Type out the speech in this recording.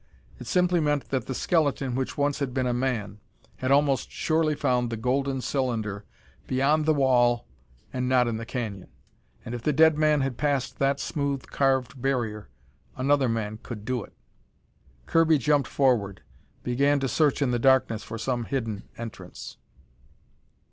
It simply meant that the skeleton which once had been a man, had almost surely found the golden cylinder beyond the wall and not in the canyon. And if the dead man had passed that smooth, carved barrier, another man could do it! Kirby jumped forward, began to search in the darkness for some hidden entrance.